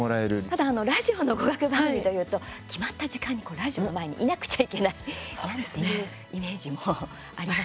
ただ、ラジオの語学番組というと、決まった時間にラジオの前にいなくちゃいけないなんていうイメージもあります。